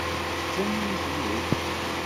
Teǧǧam-iyi-ten-id.